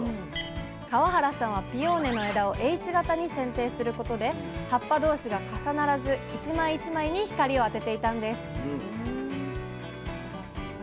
河原さんはピオーネの枝をＨ型にせんていすることで葉っぱ同士が重ならず１枚１枚に光を当てていたんです